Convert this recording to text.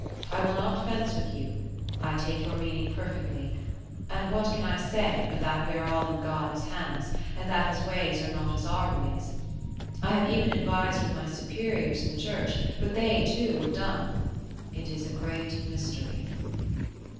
I will not fence with you, I take your meaning perfectly; and what can I say, but that we are all in God's hands, and that His ways are not as our ways? I have even advised with my superiors in the church, but they, too, were dumb. It is a great mystery."